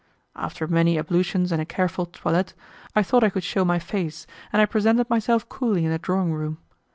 After many ablutions and a careful toilet, I thought I could shew my face, and I presented myself coolly in the drawing room.